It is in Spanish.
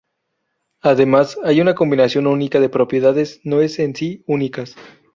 Además, hay una combinación única de propiedades no es en sí únicas.